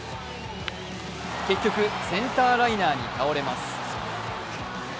結局、センターライナーに倒れます。